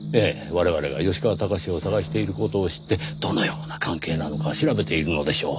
我々が吉川崇を捜している事を知ってどのような関係なのか調べているのでしょう。